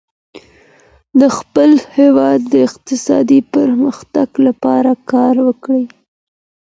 د خپل هیواد د اقتصادي پرمختګ لپاره کار وکړئ.